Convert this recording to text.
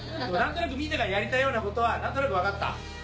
みんながやりたいようなことは何となく分かった。